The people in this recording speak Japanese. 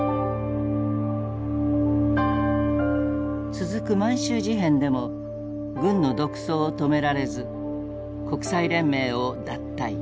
続く満州事変でも軍の独走を止められず国際連盟を脱退。